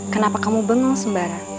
kenapa kamu bengong sembara